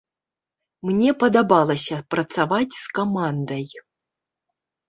Мне падабалася працаваць з камандай.